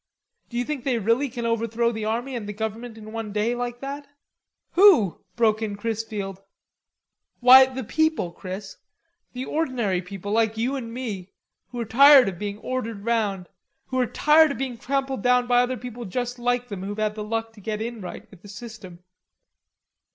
"D'you think they really can overthrow the army and the government in one day, like that?" "Who?" broke in Chrisfield. "Why, the people, Chris, the ordinary people like you and me, who are tired of being ordered round, who are tired of being trampled down by other people just like them, who've had the luck to get in right with the system."